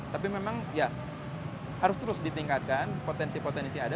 tapi memang ya harus terus ditingkatkan potensi potensi yang ada